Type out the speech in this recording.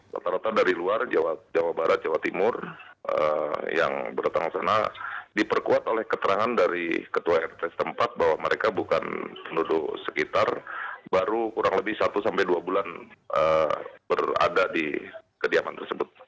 rata rata dari luar jawa barat jawa timur yang berdatang sana diperkuat oleh keterangan dari ketua rt setempat bahwa mereka bukan penduduk sekitar baru kurang lebih satu sampai dua bulan berada di kediaman tersebut